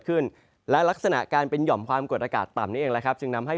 ขึ้นและลักษณะการเป็นหย่อมความกดอากาศต่ำนี้เองแหละครับจึงนำให้